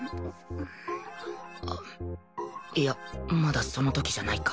いやまだその時じゃないか